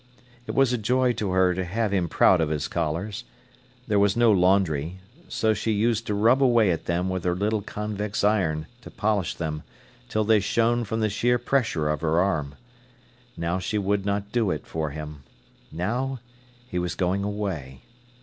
It was a joy to her to have him proud of his collars. There was no laundry. So she used to rub away at them with her little convex iron, to polish them, till they shone from the sheer pressure of her arm. Now she would not do it for him. Now he was going away.